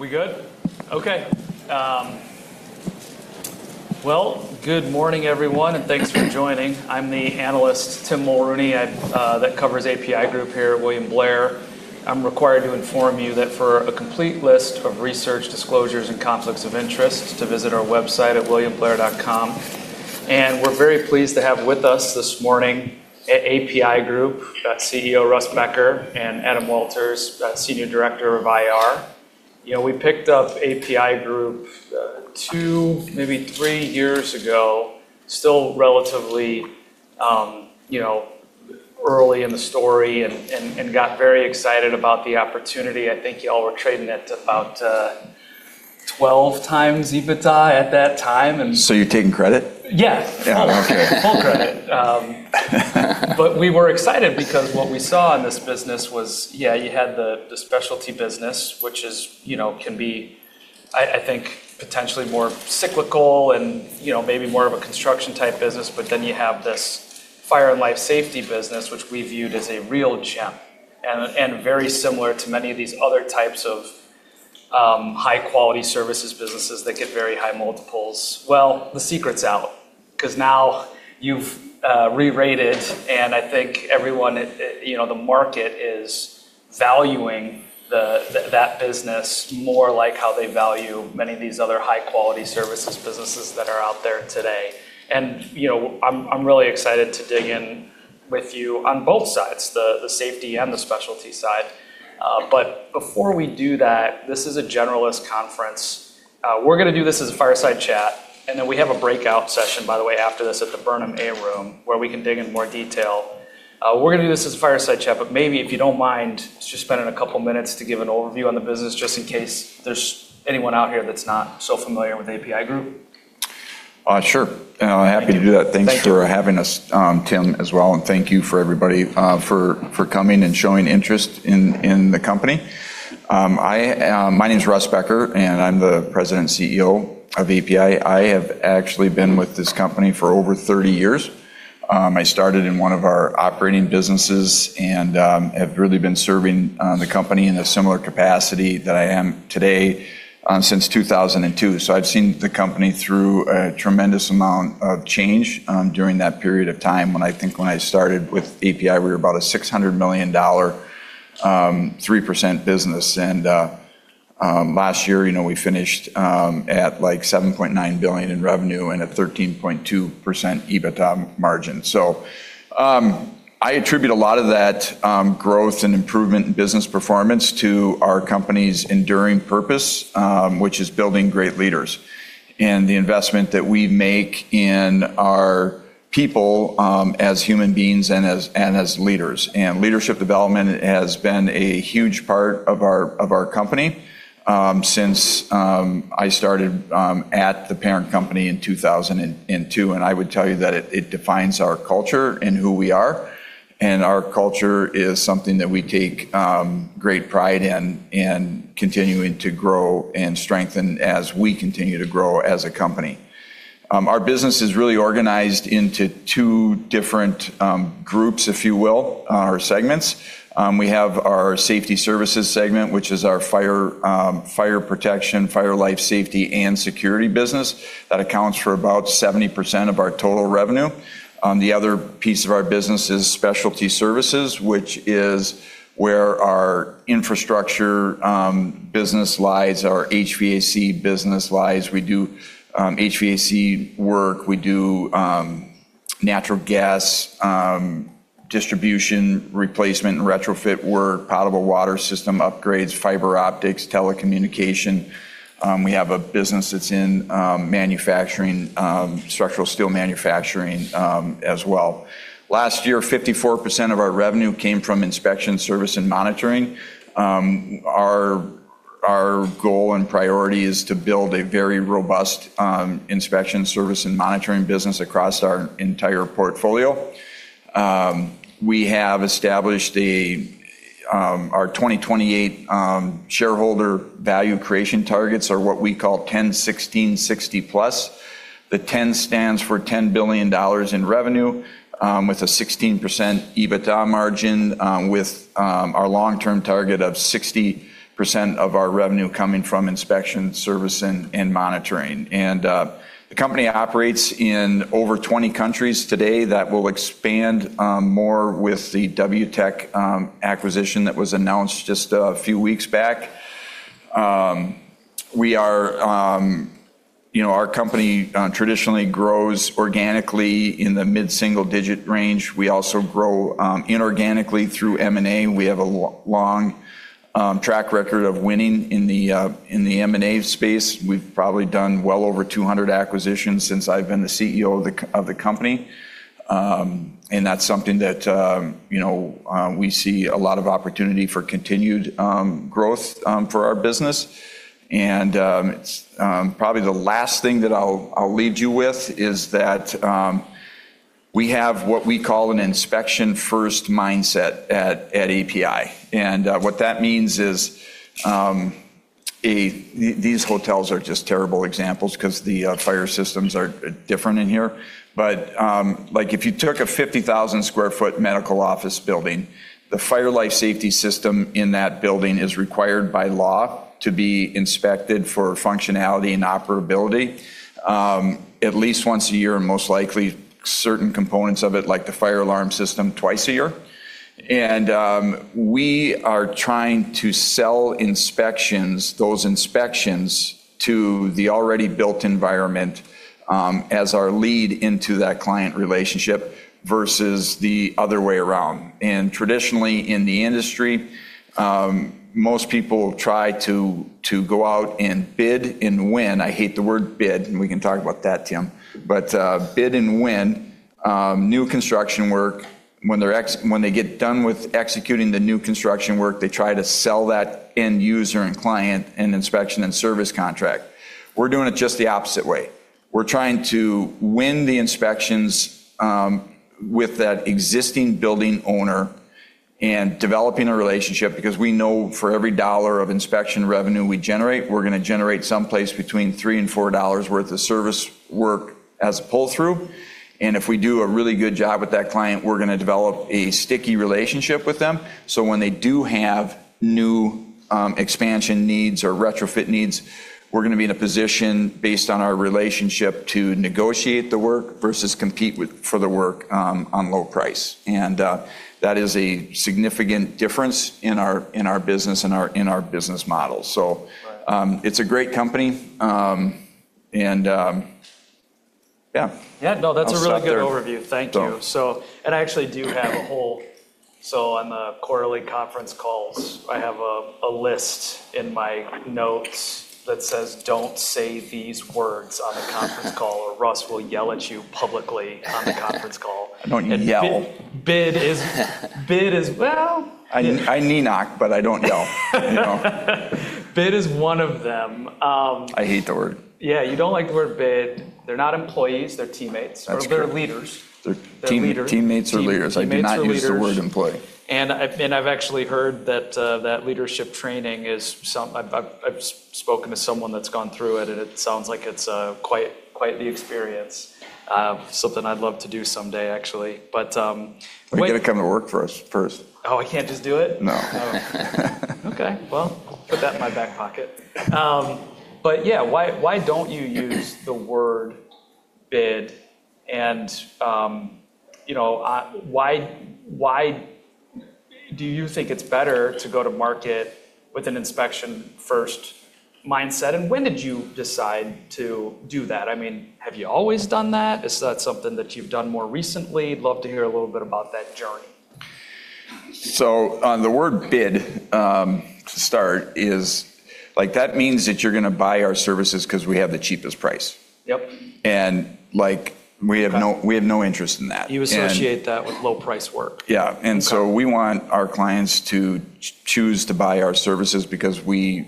We good? Okay. Well, good morning everyone, and thanks for joining. I'm the analyst, Tim Mulrooney, that covers APi Group here at William Blair. I'm required to inform you that for a complete list of research disclosures and conflicts of interest to visit our website at williamblair.com. We're very pleased to have with us this morning at APi Group, that's CEO Russ Becker and Adam Walters, that's Senior Director of IR. We picked up APi Group two, maybe three years ago. Still relatively early in the story and got very excited about the opportunity. I think you all were trading at about 12 times EBITDA at that time. You're taking credit? Yes. Yeah. Okay. Full credit. We were excited because what we saw in this business was, yeah, you had the specialty business, which can be, I think, potentially more cyclical and maybe more of a construction type business, but then you have this fire life safety business, which we viewed as a real gem, and very similar to many of these other types of high-quality services businesses that get very high multiples. The secret's out, because now you've re-rated, and I think everyone, the market, is valuing that business more like how they value many of these other high-quality services businesses that are out there today. I'm really excited to dig in with you on both sides, the safety and the specialty side. Before we do that, this is a generalist conference. We're going to do this as a fireside chat, and then we have a breakout session, by the way, after this at the Burnham A room, where we can dig in more detail. We're going to do this as a fireside chat, but maybe if you don't mind just spending a couple minutes to give an overview on the business, just in case there's anyone out here that's not so familiar with APi Group. Sure. Happy to do that. Thank you. Thanks for having us, Tim, as well. Thank you for everybody for coming and showing interest in the company. My name's Russ Becker, and I'm the President and CEO of APi. I have actually been with this company for over 30 years. I started in one of our operating businesses and have really been serving the company in a similar capacity that I am today since 2002. I've seen the company through a tremendous amount of change during that period of time. When I think when I started with APi, we were about a $600 million, 3% business. Last year, we finished at $7.9 billion in revenue and a 13.2% EBITDA margin. I attribute a lot of that growth and improvement in business performance to our company's enduring purpose, which is building great leaders, and the investment that we make in our people as human beings and as leaders. Leadership development has been a huge part of our company since I started at the parent company in 2002, and I would tell you that it defines our culture and who we are. Our culture is something that we take great pride in continuing to grow and strengthen as we continue to grow as a company. Our business is really organized into two different groups, if you will, or segments. We have our safety services segment, which is our fire protection, fire life safety, and security business. That accounts for about 70% of our total revenue. The other piece of our business is specialty services, which is where our infrastructure business lies, our HVAC business lies. We do HVAC work, we do natural gas distribution replacement and retrofit work, potable water system upgrades, fiber optics, telecommunication. We have a business that's in structural steel manufacturing as well. Last year, 54% of our revenue came from inspection service and monitoring. Our goal and priority is to build a very robust inspection service and monitoring business across our entire portfolio. We have established our 2028 shareholder value creation targets, or what we call 10/16/60+. The 10 stands for $10 billion in revenue, with a 16% EBITDA margin, with our long-term target of 60% of our revenue coming from inspection service and monitoring. The company operates in over 20 countries today. That will expand more with the WTech acquisition that was announced just a few weeks back. Our company traditionally grows organically in the mid-single digit range. We also grow inorganically through M&A. We have a long track record of winning in the M&A space. We've probably done well over 200 acquisitions since I've been the CEO of the company. That's something that we see a lot of opportunity for continued growth for our business. Probably the last thing that I'll leave you with is that we have what we call an inspection-first mindset at APi. What that means is, these hotels are just terrible examples, because the fire systems are different in here. If you took a 50,000 sq ft medical office building, the fire life safety system in that building is required by law to be inspected for functionality and operability at least once a year, and most likely certain components of it, like the fire alarm system, twice a year. We are trying to sell inspections, those inspections to the already built environment as our lead into that client relationship versus the other way around. Traditionally in the industry, most people try to go out and bid and win. I hate the word bid, and we can talk about that, Tim. Bid and win new construction work. When they get done with executing the new construction work, they try to sell that end user and client an inspection and service contract. We're doing it just the opposite way. We're trying to win the inspections with that existing building owner and developing a relationship, because we know for every dollar of inspection revenue we generate, we're going to generate someplace between $3 and $4 worth of service work as a pull-through. If we do a really good job with that client, we're going to develop a sticky relationship with them, so when they do have new expansion needs or retrofit needs, we're going to be in a position, based on our relationship, to negotiate the work versus compete for the work on low price. That is a significant difference in our business and in our business model. Right it's a great company. Yeah. Yeah, no, that's. I'll stop there. really good overview. Thank you. So. I actually do have a whole, so on the quarterly conference calls, I have a list in my notes that says, "Don't say these words on the conference call, or Russ will yell at you publicly on the conference call. I don't yell. Bid Well. I don't yell. You know? Bid is one of them. I hate the word. Yeah, you don't like the word bid. They're not employees, they're teammates. That's true. They're leaders. They're- They're leaders. teammates or leaders. Teammates or leaders. I do not use the word employee. I've actually heard that leadership training. I've spoken to someone that's gone through it, and it sounds like it's quite the experience. Something I'd love to do someday, actually. You've got to come to work for us first. Oh, I can't just do it? No. Oh. Okay. Well, I'll put that in my back pocket. Yeah, why don't you use the word bid? Why do you think it's better to go to market with an inspection-first mindset? When did you decide to do that? Have you always done that? Is that something that you've done more recently? Love to hear a little bit about that journey. On the word bid, to start is, that means that you're going to buy our services because we have the cheapest price. Yep. we have no interest in that. You associate that with low price work. Yeah. Okay. We want our clients to choose to buy our services because we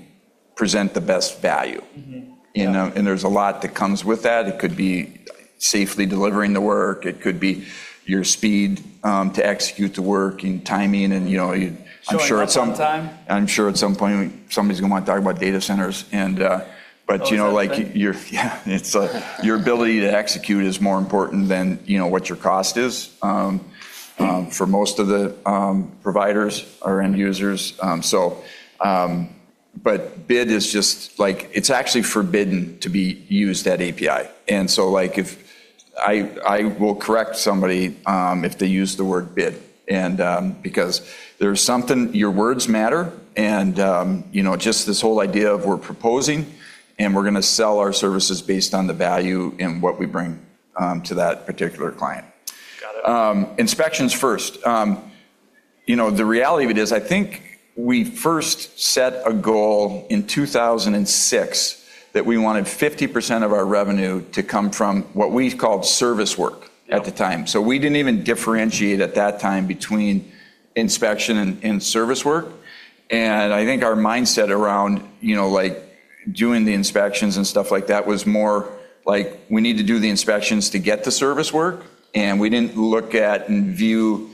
present the best value. Mm-hmm. Yeah. There's a lot that comes with that. It could be safely delivering the work, it could be your speed to execute the work, and timing. Showing up on time. I'm sure at some point somebody's going to want to talk about data centers. Oh, that's right. Your ability to execute is more important than what your cost is for most of the providers or end users. Bid is just, it's actually forbidden to be used at APi. I will correct somebody if they use the word bid, and because there's something, your words matter, and just this whole idea of we're proposing, and we're going to sell our services based on the value and what we bring to that particular client. Got it. Inspections first. The reality of it is, I think we first set a goal in 2006 that we wanted 50% of our revenue to come from what we called service work at the time. Yep. We didn't even differentiate at that time between inspection and service work. I think our mindset around doing the inspections and stuff like that was more like, we need to do the inspections to get the service work. We didn't look at and view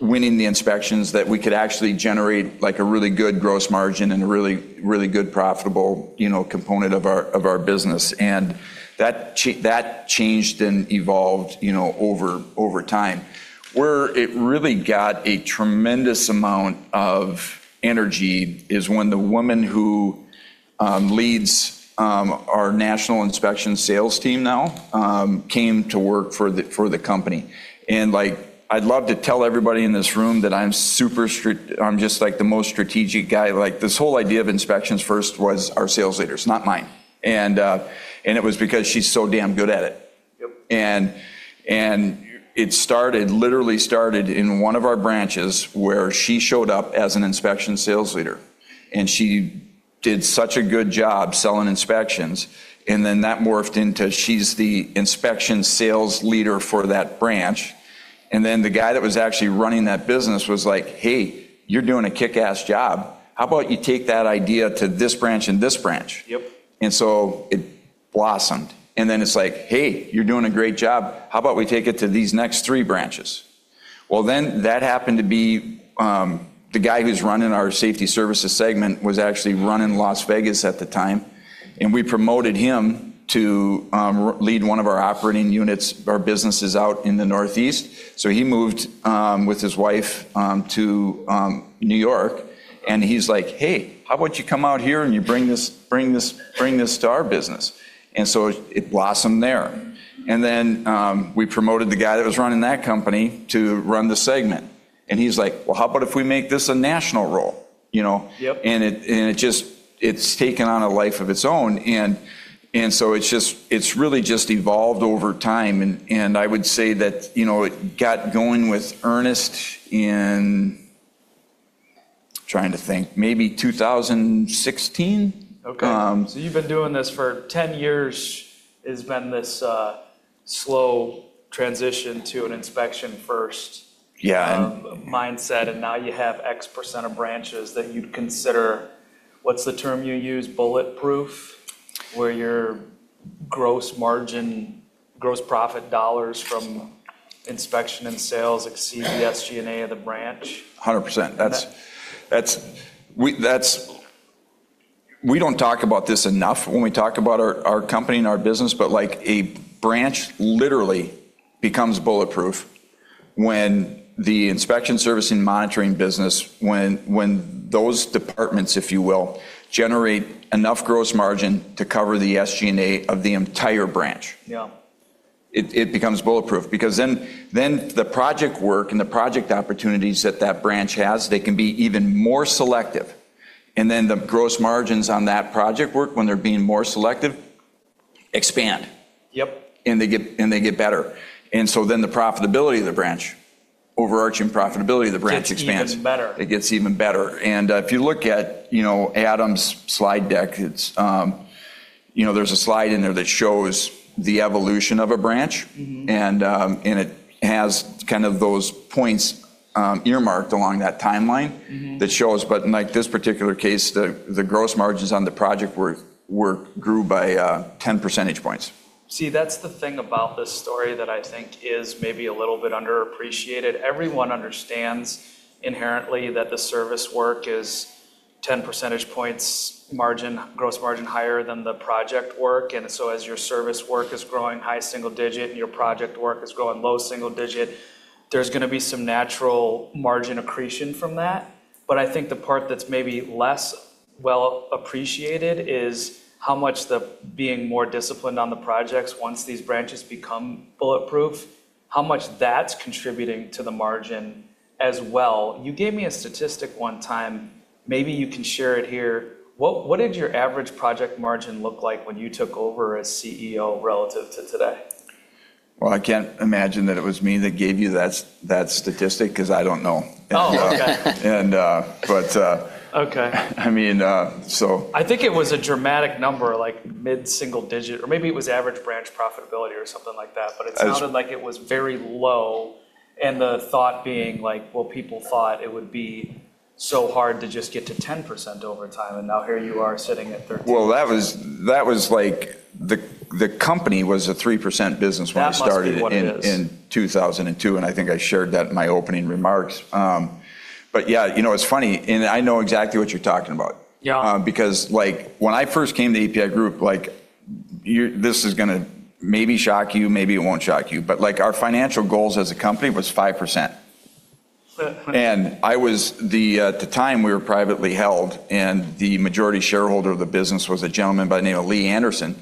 winning the inspections that we could actually generate a really good gross margin and a really, really good profitable component of our business. That changed and evolved over time. Where it really got a tremendous amount of energy is when the woman who leads our national inspection sales team now came to work for the company. I'd love to tell everybody in this room that I'm just the most strategic guy. This whole idea of inspections first was our sales leader's, not mine. It was because she's so damn good at it. Yep. It literally started in one of our branches where she showed up as an inspection sales leader. She did such a good job selling inspections, then that morphed into she's the inspection sales leader for that branch. Then the guy that was actually running that business was like, "Hey, you're doing a kickass job. How about you take that idea to this branch and this branch? Yep. It blossomed. Then it's like, "Hey, you're doing a great job. How about we take it to these next three branches?" Well, then that happened to be the guy who's running our safety services segment was actually running Las Vegas at the time, and we promoted him to lead one of our operating units, our business is out in the Northeast. He moved with his wife to New York and he's like, "Hey, how about you come out here and you bring this to our business?" It blossomed there. Then we promoted the guy that was running that company to run the segment. He's like, "Well, how about if we make this a national role?" You know? Yep. It's taken on a life of its own. It's really just evolved over time, and I would say that it got going with earnest in, trying to think, maybe 2016. Okay. You've been doing this for 10 years, has been this slow transition to an inspection-first? Yeah mindset, and now you have X% of branches that you'd consider, what's the term you use, bulletproof? Where your gross margin, gross profit dollars from inspection and sales exceed the SG&A of the branch? 100%. We don't talk about this enough when we talk about our company and our business. A branch literally becomes bulletproof when the inspection service and monitoring business, when those departments, if you will, generate enough gross margin to cover the SG&A of the entire branch. Yeah. It becomes bulletproof because then the project work and the project opportunities that that branch has, they can be even more selective, and then the gross margins on that project work when they're being more selective expand. Yep. They get better. The profitability of the branch, overarching profitability of the branch expands. Gets even better. It gets even better. If you look at Adam's slide deck, there's a slide in there that shows the evolution of a branch. It has those points earmarked along that timeline. that shows, but in this particular case, the gross margins on the project grew by 10 percentage points. That's the thing about this story that I think is maybe a little bit underappreciated. Everyone understands inherently that the service work is 10 percentage points gross margin higher than the project work, and so as your service work is growing high single digit and your project work is growing low single digit, there's going to be some natural margin accretion from that. I think the part that's maybe less well appreciated is how much the being more disciplined on the projects once these branches become bulletproof, how much that's contributing to the margin as well. You gave me a statistic one time, maybe you can share it here. What did your average project margin look like when you took over as CEO relative to today? Well, I can't imagine that it was me that gave you that statistic because I don't know. Oh, okay. And, but- Okay I mean. I think it was a dramatic number, like mid-single digit, or maybe it was average branch profitability or something like that, but it sounded like it was very low. The thought being like, well, people thought it would be so hard to just get to 10% over time. Now here you are sitting at 13. Well, that was like the company was a 3% business when we started. That must be what it is. in 2002, and I think I shared that in my opening remarks. Yeah, it's funny, and I know exactly what you're talking about. Yeah. When I first came to APi Group, this is going to maybe shock you, maybe it won't shock you, but our financial goals as a company was 5%. At the time we were privately held, the majority shareholder of the business was a gentleman by the name of Lee Anderson.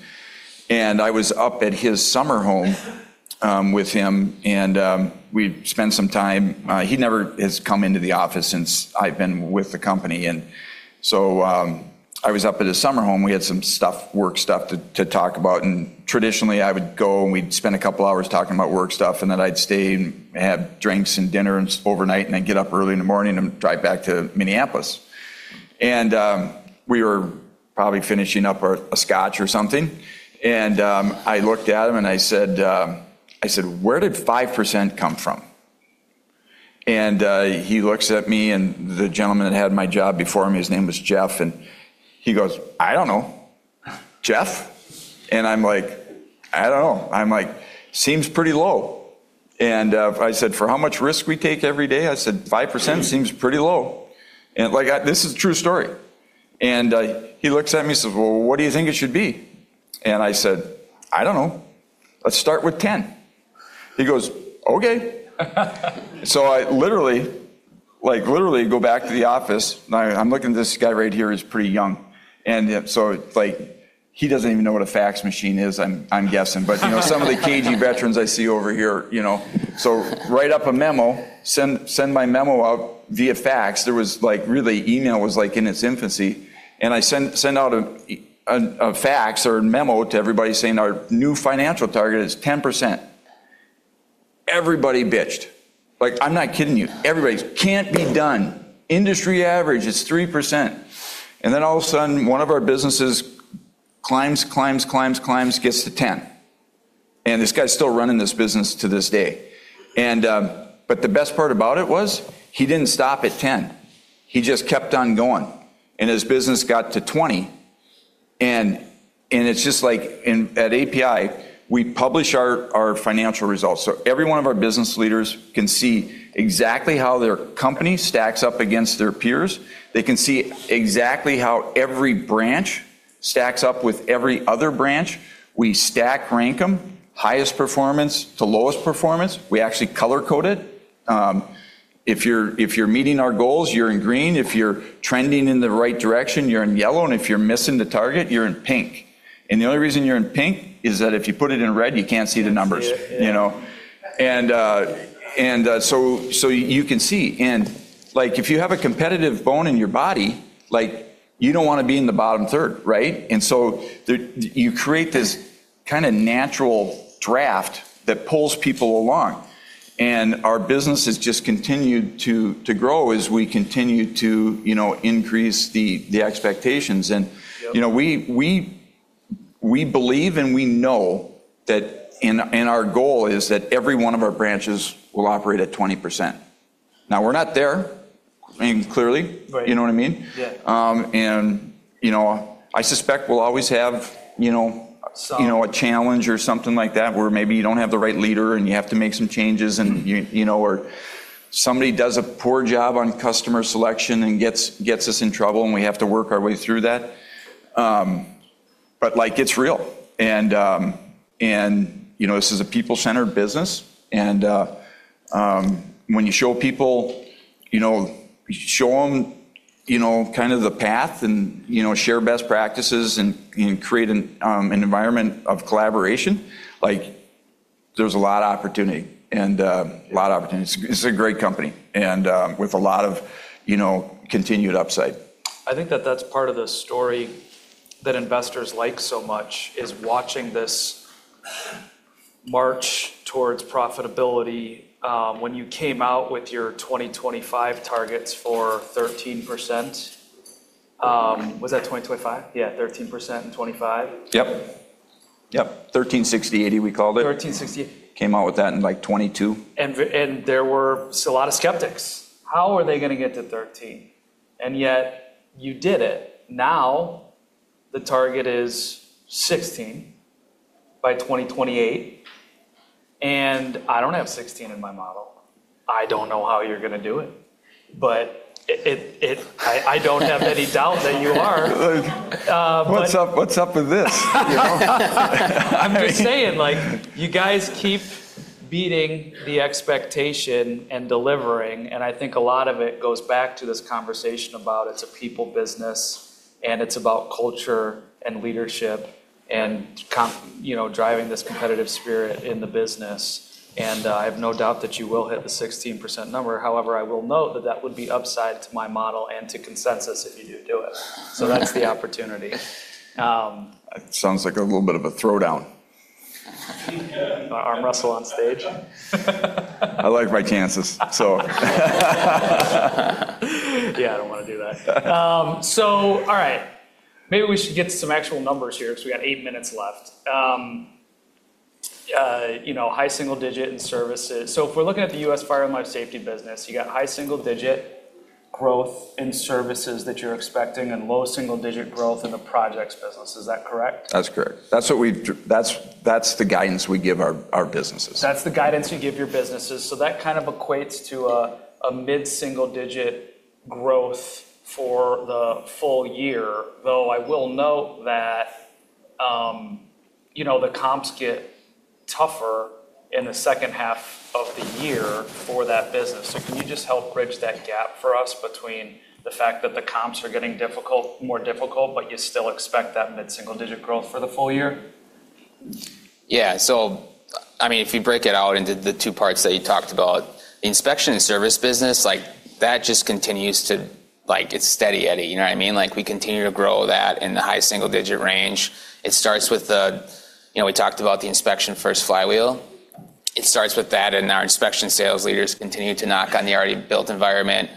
I was up at his summer home with him, we'd spent some time. He never has come into the office since I've been with the company. I was up at his summer home. We had some work stuff to talk about, and traditionally, I would go, and we'd spend a couple of hours talking about work stuff, and then I'd stay and have drinks and dinner overnight, and I'd get up early in the morning and drive back to Minneapolis. We were probably finishing up a scotch or something, and I looked at him and I said, "Where did 5% come from?" He looks at me, and the gentleman that had my job before me, his name was Jeff, and he goes, "I don't know. Jeff?" I'm like, "I don't know." I'm like, "Seems pretty low." I said, "For how much risk we take every day," I said, "5% seems pretty low." This is a true story. He looks at me and says, "Well, what do you think it should be?" I said, "I don't know. Let's start with 10." He goes, "Okay." I literally go back to the office. Now, I'm looking at this guy right here who's pretty young. He doesn't even know what a fax machine is, I'm guessing. Some of the cagey veterans I see over here, so write up a memo, send my memo out via fax. Really email was in its infancy, I send out a fax or a memo to everybody saying our new financial target is 10%. Everybody bitched. I'm not kidding you. Everybody's, "Can't be done. Industry average is 3%." All of a sudden, one of our businesses climbs, climbs, gets to 10%. This guy's still running this business to this day. The best part about it was, he didn't stop at 10%, he just kept on going, and his business got to 20%. At APi, we publish our financial results, so every one of our business leaders can see exactly how their company stacks up against their peers. They can see exactly how every branch stacks up with every other branch. We stack rank them highest performance to lowest performance. We actually color code it. If you're meeting our goals, you're in green. If you're trending in the right direction, you're in yellow. If you're missing the target, you're in pink. The only reason you're in pink is that if you put it in red, you can't see the numbers. You can see, and if you have a competitive bone in your body, you don't want to be in the bottom third, right? You create this kind of natural draft that pulls people along. Our business has just continued to grow as we continue to increase the expectations. Yep. We believe and we know that, and our goal is that every one of our branches will operate at 20%. We're not there, I mean, clearly. Right. You know what I mean? Yeah. I suspect we'll always have. Some a challenge or something like that, where maybe you don't have the right leader and you have to make some changes, and you know, or somebody does a poor job on customer selection and gets us in trouble, and we have to work our way through that. It's real, and this is a people-centered business. When you show people, show them kind of the path and share best practices and create an environment of collaboration, there's a lot of opportunity. Yeah a lot of opportunity. It's a great company, and with a lot of continued upside. I think that that's part of the story that investors like so much, is watching this march towards profitability. When you came out with your 2025 targets for 13%, was that 2025? Yeah, 13% and 2025. Yep. Yep, 13/60/80, we called it. 1360- Came out with that in like 2022. There was a lot of skeptics. How are they going to get to 13? Yet you did it. Now the target is 16 by 2028, and I don't have 16 in my model. I don't know how you're going to do it. I don't have any doubt that you are. What's up with this, you know? I'm just saying, you guys keep beating the expectation and delivering, and I think a lot of it goes back to this conversation about it's a people business, and it's about culture and leadership and driving this competitive spirit in the business. I have no doubt that you will hit the 16% number. However, I will note that that would be upside to my model and to consensus if you do it. That's the opportunity. It sounds like a little bit of a throw down. Arm wrestle on stage. I like my chances. Yeah, I don't want to do that. All right. Maybe we should get to some actual numbers here because we've got eight minutes left. High single digit in services. If we're looking at the U.S. fire life safety business, you got high single digit growth in services that you're expecting and low single digit growth in the projects business. Is that correct? That's correct. That's the guidance we give our businesses. That's the guidance you give your businesses. That kind of equates to a mid-single digit growth for the full year. I will note that the comps get tougher in the second half of the year for that business. Can you just help bridge that gap for us between the fact that the comps are getting more difficult, but you still expect that mid-single digit growth for the full year? If you break it out into the two parts that you talked about, the inspection and service business, that just continues to, it's steady Eddie. You know what I mean? We continue to grow that in the high single-digit range. It starts with, we talked about the inspection-first flywheel. It starts with that, our inspection sales leaders continue to knock on the already built environment,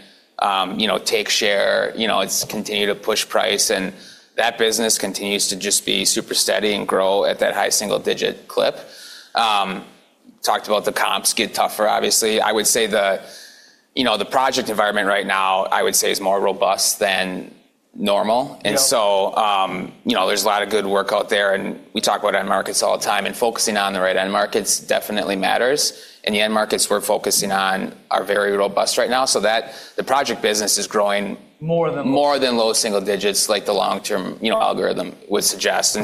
take share, it's continue to push price, and that business continues to just be super steady and grow at that high single-digit clip. Talked about the comps get tougher, obviously. I would say the project environment right now, I would say is more robust than normal. Yep. There's a lot of good work out there, and we talk about end markets all the time, and focusing on the right end markets definitely matters. The end markets we're focusing on are very robust right now. The project business is growing- More than- more than low single digits like the long-term algorithm would suggest.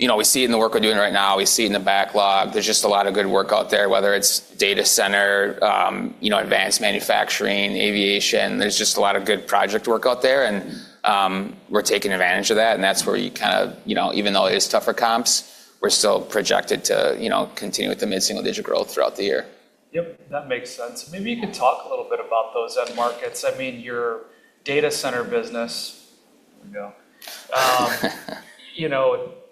We see it in the work we're doing right now. We see it in the backlog. There's just a lot of good work out there, whether it's data center, advanced manufacturing, aviation. There's just a lot of good project work out there, and we're taking advantage of that. That's where you kind of, even though it is tougher comps, we're still projected to continue with the mid-single digit growth throughout the year. Yep, that makes sense. Maybe you could talk a little bit about those end markets. I mean, your data center business, there we go.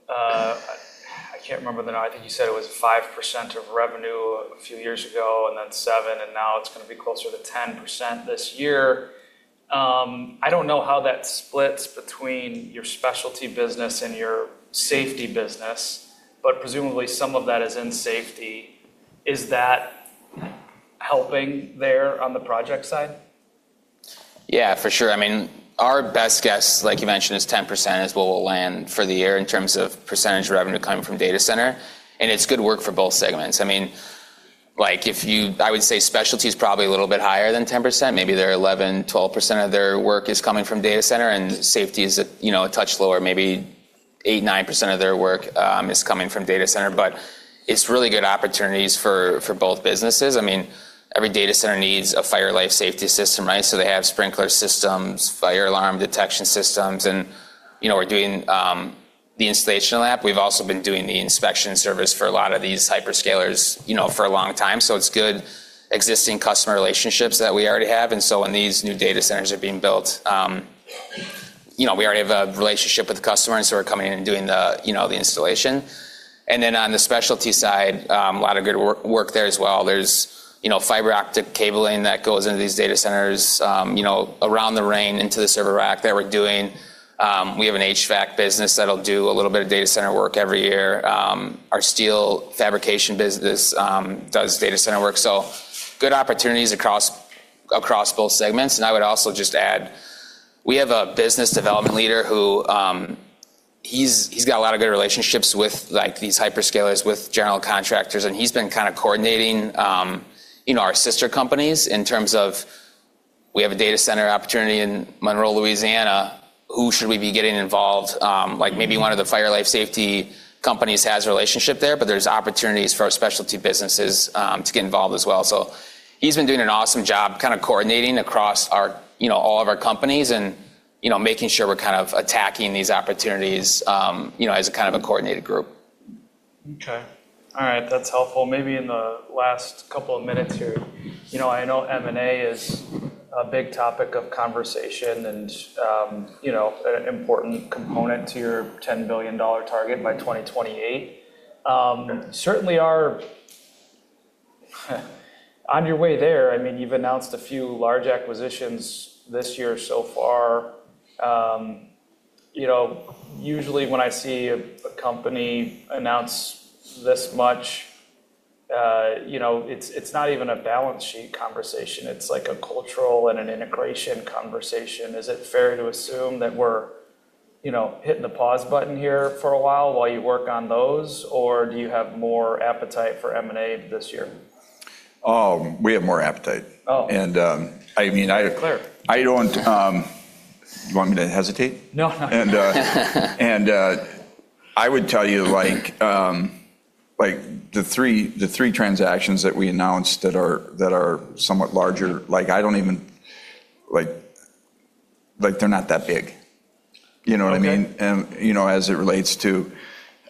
I can't remember the number. I think you said it was 5% of revenue a few years ago, and then 7%, and now it's going to be closer to 10% this year. I don't know how that splits between your specialty business and your safety business, but presumably some of that is in safety. Is that helping there on the project side? For sure. Our best guess, like you mentioned, is 10% is what we'll land for the year in terms of percentage of revenue coming from data center. It's good work for both segments. I would say specialty is probably a little bit higher than 10%. Maybe 11%, 12% of their work is coming from data center. Safety is a touch lower, maybe 8%, 9% of their work is coming from data center. It's really good opportunities for both businesses. Every data center needs a fire life safety system. They have sprinkler systems, fire alarm detection systems. We're doing the uncertain. We've also been doing the inspection service for a lot of these hyperscalers for a long time. It's good existing customer relationships that we already have, when these new data centers are being built, we already have a relationship with the customer, we're coming in and doing the installation. Then on the specialty side, a lot of good work there as well. There's fiber optic cabling that goes into these data centers, uncertain into the server rack that we're doing. We have an HVAC business that'll do a little bit of data center work every year. Our steel fabrication business does data center work. Good opportunities across both segments. I would also just add, we have a business development leader who, he's got a lot of good relationships with these hyperscalers, with general contractors, and he's been kind of coordinating our sister companies in terms of, we have a data center opportunity in Monroe, Louisiana. Who should we be getting involved? Maybe one of the fire life safety companies has a relationship there's opportunities for our specialty businesses to get involved as well. He's been doing an awesome job coordinating across all of our companies and making sure we're attacking these opportunities as a coordinated group. Okay. All right. That's helpful. Maybe in the last couple of minutes here, I know M&A is a big topic of conversation and an important component to your $10 billion target by 2028. You certainly are on your way there. You've announced a few large acquisitions this year so far. Usually when I see a company announce this much, it's not even a balance sheet conversation. It's like a cultural and an integration conversation. Is it fair to assume that we're hitting the pause button here for a while while you work on those? Do you have more appetite for M&A this year? We have more appetite. Oh. I mean. Be clear. You want me to hesitate? No. I would tell you, the three transactions that we announced that are somewhat larger, they're not that big. You know what I mean? Okay. As it relates to,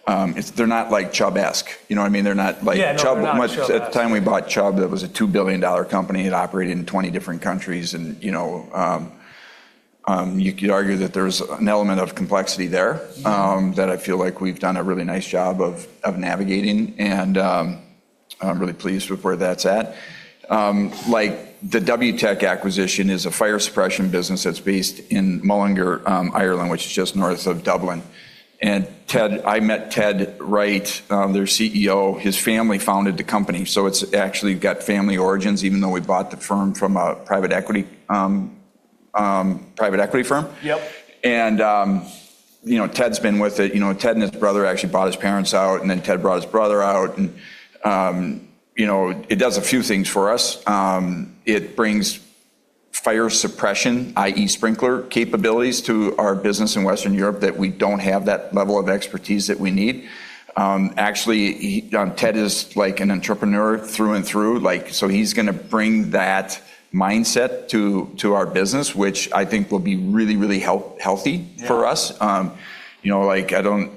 they're not Chubb-esque, you know what I mean? They're not like Chubb. Yeah, no, they're not Chubb-esque. At the time we bought Chubb, it was a $2 billion company. It operated in 20 different countries. You could argue that there's an element of complexity there that I feel like we've done a really nice job of navigating, and I'm really pleased with where that's at. The Wtech acquisition is a fire suppression business that's based in Mullingar, Ireland, which is just north of Dublin. Ted, I met Ted Wright, their CEO. His family founded the company. It's actually got family origins even though we bought the firm from a private equity firm. Yep. Ted's been with it. Ted and his brother actually bought his parents out, then Ted bought his brother out, it does a few things for us. It brings fire suppression, i.e. sprinkler capabilities, to our business in Western Europe that we don't have that level of expertise that we need. Actually, Ted is an entrepreneur through and through, he's going to bring that mindset to our business, which I think will be really, really healthy for us. Yeah.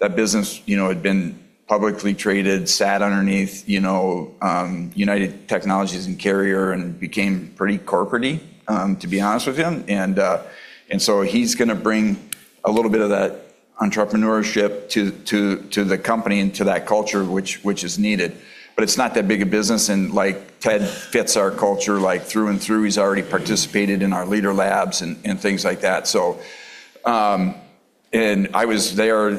That business had been publicly traded, sat underneath United Technologies and Carrier, and became pretty corporate-y, to be honest with you. He's going to bring a little bit of that entrepreneurship to the company and to that culture, which is needed. It's not that big a business, and Ted fits our culture through and through. He's already participated in our Leader Labs and things like that. I was there,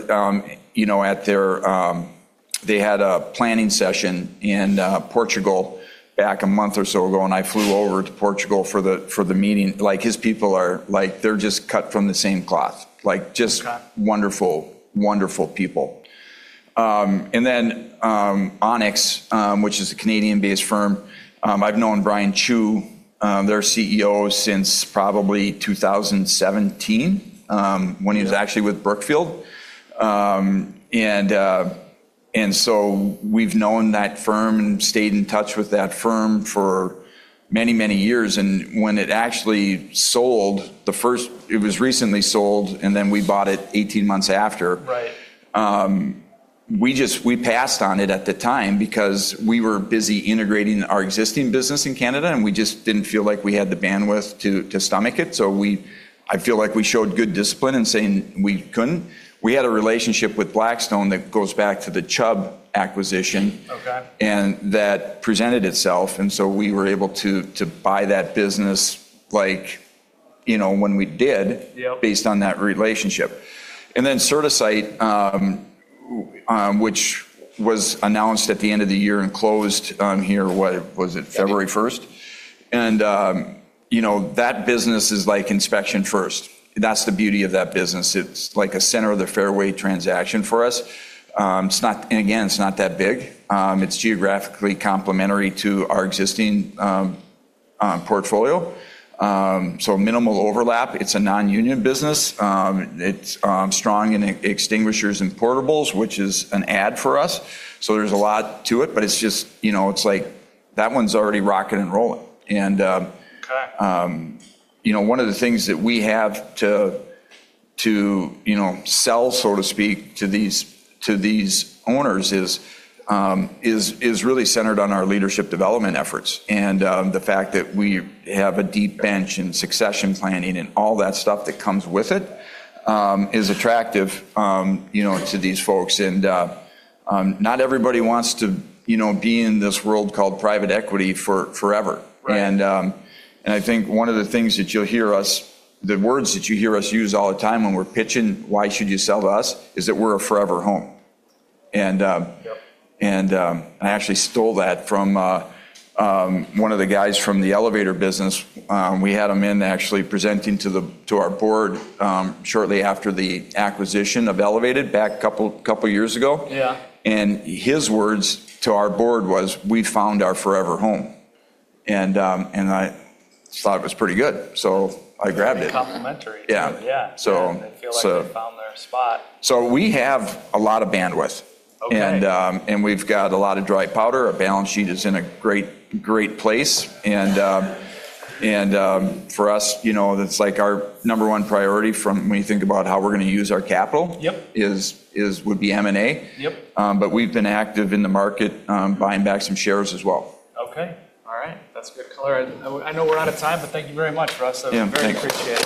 they had a planning session in Portugal back a month or so ago, and I flew over to Portugal for the meeting. His people are just cut from the same cloth. Okay. Just wonderful people. Then Onyx, which is a Canadian-based firm. I've known Brian Chu, their CEO, since probably 2017. Yeah when he was actually with Brookfield. We've known that firm and stayed in touch with that firm for many, many years. When it actually sold, it was recently sold, and then we bought it 18 months after. Right. We passed on it at the time because we were busy integrating our existing business in Canada, and we just didn't feel like we had the bandwidth to stomach it. I feel like we showed good discipline in saying we couldn't. We had a relationship with Blackstone that goes back to the Chubb acquisition. Okay. That presented itself, and so we were able to buy that business when we did. Yep based on that relationship. CertaSite, which was announced at the end of the year and closed on here, what was it?1st February. That business is like inspection-first. That's the beauty of that business. It's like a center of the fairway transaction for us. Again, it's not that big. It's geographically complementary to our existing portfolio, so minimal overlap. It's a non-union business. It's strong in extinguishers and portables, which is an add for us. There's a lot to it, but it's like that one's already rocking and rolling. Okay One of the things that we have to sell, so to speak, to these owners is really centered on our leadership development efforts. The fact that we have a deep bench in succession planning and all that stuff that comes with it is attractive to these folks. Not everybody wants to be in this world called private equity forever. Right. I think one of the things that you'll hear us, the words that you hear us use all the time when we're pitching why should you sell to us is that we're a forever home. Yep I actually stole that from one of the guys from the elevator business. We had him in actually presenting to our board shortly after the acquisition of Elevated back a couple of years ago. Yeah. His words to our board was, "We'd found our forever home." I thought it was pretty good, so I grabbed it. Very complimentary. Yeah. Yeah. They feel like they found their spot. We have a lot of bandwidth. Okay. We've got a lot of dry powder. Our balance sheet is in a great place. For us, that's our number one priority from when you think about how we're going to use our capital. Yep would be M&A. Yep. We've been active in the market, buying back some shares as well. Okay. All right. That's good color. I know we're out of time, but thank you very much, Russ. Yeah. Thank you. I really appreciate it.